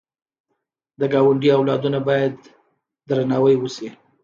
د ګاونډي اولادونه باید درناوی وشي